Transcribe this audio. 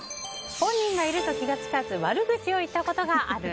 本人がいると気づかず悪口を言ったことがある？